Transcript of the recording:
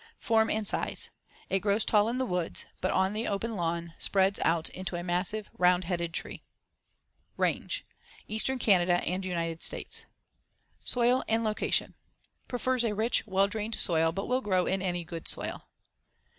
See Fig. 53. Form and size: It grows tall in the woods, but on the open lawn spreads out into a massive, round headed tree. Range: Eastern Canada and United States. Soil and location: Prefers a rich, well drained soil, but will grow in any good soil.